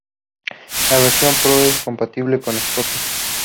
La versión Pro es compatible con Spotify